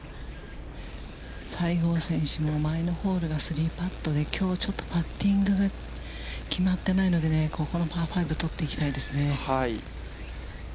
西郷選手も前のホールが３パットで、きょうちょっとパッティングが決まってないのでね、ここのパー５は、取っていきたいですね。